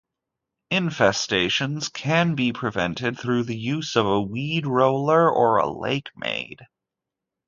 Infestations can be prevented through the use of a Weed Roller or a LakeMaid.